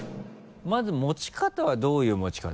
まず持ち方はどういう持ち方？